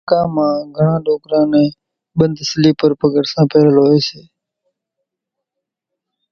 پڳان مان گھڻون ڏوڪران نين ٻنڌ سليپر پڳرسان پيرل هوئيَ سي۔